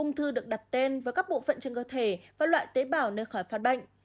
ung thư được đặt tên vào các bộ phận trên cơ thể và loại tế bào nơi khỏi phạt bệnh